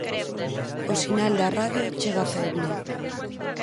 O sinal da radio chega feble.